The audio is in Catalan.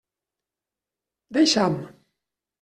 Deixa'm!